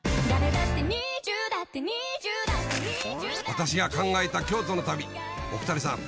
私が考えた京都の旅お二人さん